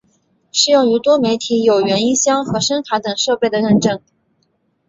适用于多媒体有源音箱和声卡等设备的认证。